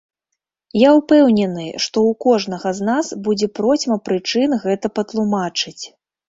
Я ўпэўнены, што ў кожнага з нас будзе процьма прычын гэта патлумачыць.